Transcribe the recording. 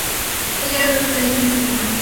Ella era la única hija de siete hermanos.